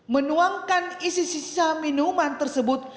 menuangkan isi sisa minuman tersebut